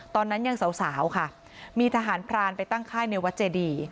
ตอนนั้นยังสาวค่ะมีทหารพรานไปตั้งค่ายในวัดเจดี